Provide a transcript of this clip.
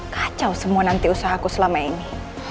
kacau semua nanti usahaku selama ini